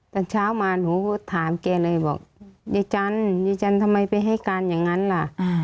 ตอนเช้ามาหนูก็ถามแกเลยบอกยายจันยายจันทำไมไปให้การอย่างนั้นล่ะ